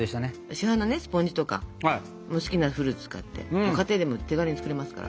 市販のねスポンジとかお好きなフルーツ使って家庭でも手軽に作れますから。